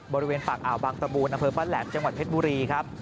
บริเวณฝากอาวบังตะบูนนำเฟิร์มพระแหละจังหวัดเพชรบุรี